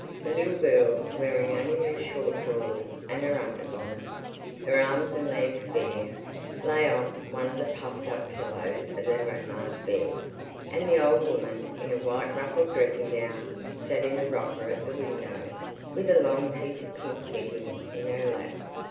The little girl, wearing only her short drawers and her under bodice, her arms and legs bare, lay on one of the puffed up pillows of her grandma's bed, and the old woman, in a white ruffled dressing gown, sat in a rocker at the window, with a long piece of pink knitting in her lap.